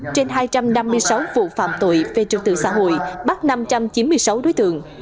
trên hai trăm năm mươi sáu vụ phạm tội về trật tự xã hội bắt năm trăm chín mươi sáu đối tượng